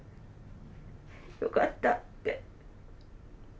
よかったって。